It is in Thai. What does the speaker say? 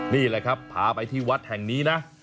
นี่แหละครับพาไปที่วัดแห่งนี้นะ